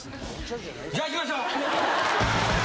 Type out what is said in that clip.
じゃあ行きましょう。